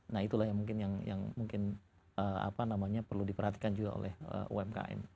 nah itulah yang mungkin perlu diperhatikan juga oleh umkm